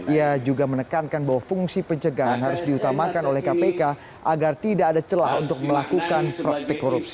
ia juga menekankan bahwa fungsi pencegahan harus diutamakan oleh kpk agar tidak ada celah untuk melakukan praktik korupsi